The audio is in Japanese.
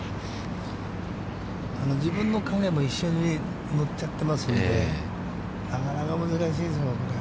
自分の陰も一緒に乗っちゃってますので、なかなか難しいですよ。